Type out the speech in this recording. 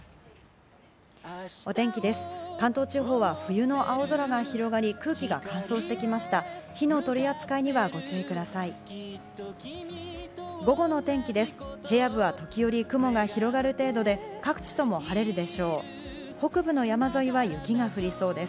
お天気です。